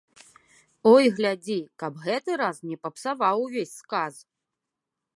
Ой, глядзі, каб гэты раз не папсаваў увесь сказ!